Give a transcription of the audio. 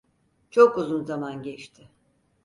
Çok uzun zaman geçti.